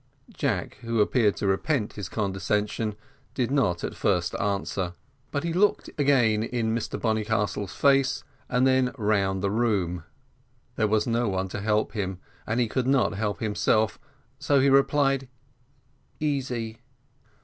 Jack, who appeared to repent his condescension, did not at first answer, but he looked again in Mr Bonnycastle's face, and then round the room: there was no one to help him, and he could not help himself, so he replied "Easy."